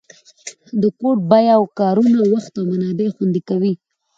د کوډ بیا کارونه وخت او منابع خوندي کوي.